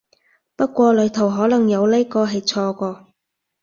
不過裡頭可能有呢個係錯個